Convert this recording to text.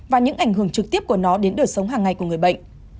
và những ảnh hưởng trực tiếp của nó đến đời sống hàng ngày của người bệnh